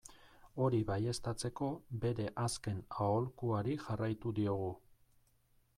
Hori baieztatzeko, bere azken aholkuari jarraitu diogu.